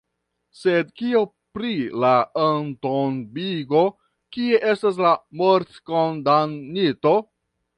Sed kio pri la entombigo, kie estas la mortkondamnito?